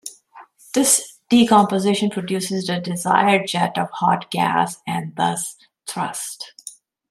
This decomposition produces the desired jet of hot gas and thus thrust.